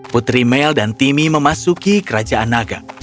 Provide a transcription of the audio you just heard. putri mel dan timmy memasuki kerajaan naga